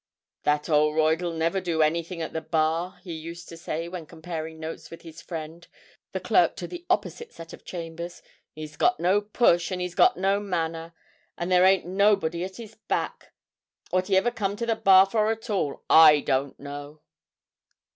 'That 'Olroyd'll never do anything at the Bar,' he used to say when comparing notes with his friend the clerk to the opposite set of chambers. 'He's got no push, and he's got no manner, and there ain't nobody at his back. What he ever come to the Bar for at all, I don't know!'